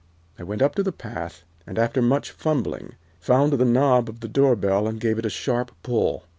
I went up the path, and, after much fumbling, found the knob of the door bell and gave it a sharp pull.